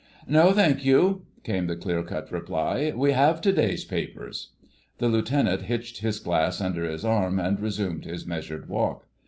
"No, thank you," came the clear cut reply; "we have to day's papers." The Lieutenant hitched his glass under his arm and resumed his measured walk.